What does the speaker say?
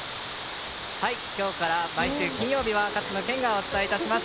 今日から毎週金曜日は勝野健がお伝えいたします。